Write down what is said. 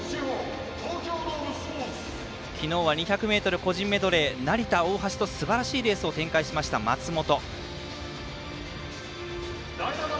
昨日は２００ｍ個人メドレー成田、大橋とすばらしいレースを展開しました、松本。